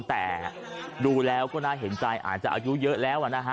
แต่ดูแล้วก็น่าเห็นใจอาจจะอายุเยอะแล้วนะฮะ